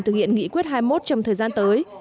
thực hiện nghị quyết hai mươi một trong thời gian tới